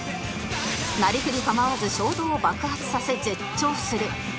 なりふり構わず衝動を爆発させ絶頂する